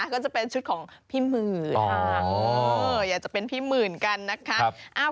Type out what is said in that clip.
ก็จะเป็นชุดของพี่หมื่นอยากจะเป็นพี่หมื่นกันนะคะ